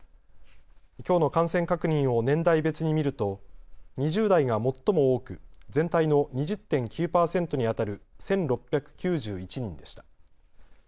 きょうの感染確認を年代別に見ると２０代が最も多く全体の２０．９％にあたる１６９１人でした。